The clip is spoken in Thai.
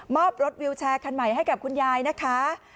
อบรถวิวแชร์คันใหม่ให้กับคุณยายนะคะ